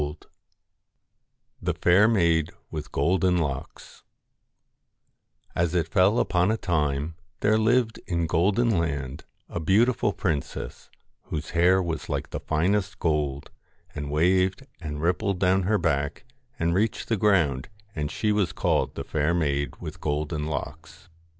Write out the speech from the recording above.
168 THE FAIR MAID WITH GOLDEN LOCKS it fell upon a time, there lived in THE FAIR Golden Land a beautiful princess, MAID whose hair was like the finest gold, G QLDEN and waved and rippled down her back LOCKS and reached the ground, and she was called the fair maid with golden locks.